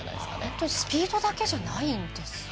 本当にスピードだけじゃないんです。